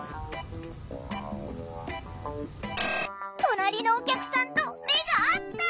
隣のお客さんと目が合った！